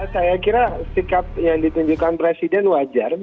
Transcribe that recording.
saya kira sikap yang ditunjukkan presiden wajar